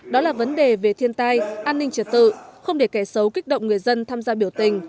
đó là vấn đề về thiên tai an ninh trật tự không để kẻ xấu kích động người dân tham gia biểu tình